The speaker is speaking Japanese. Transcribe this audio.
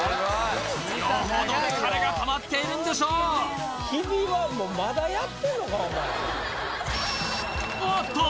よほど疲れがたまっているんでしょう日比はもうまだやってんのかお前おっと！